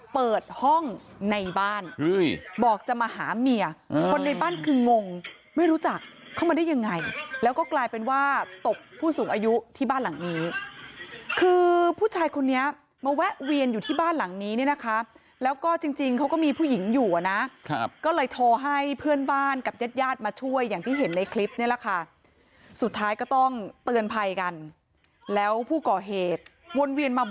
เปิดห้องในบ้านบอกจะมาหาเมียคนในบ้านคืองงไม่รู้จักเข้ามาได้ยังไงแล้วก็กลายเป็นว่าตบผู้สูงอายุที่บ้านหลังนี้คือผู้ชายคนนี้มาแวะเวียนอยู่ที่บ้านหลังนี้เนี่ยนะคะแล้วก็จริงเขาก็มีผู้หญิงอยู่อ่ะนะก็เลยโทรให้เพื่อนบ้านกับญาติญาติมาช่วยอย่างที่เห็นในคลิปนี่แหละค่ะสุดท้ายก็ต้องเตือนภัยกันแล้วผู้ก่อเหตุวนเวียนมาบ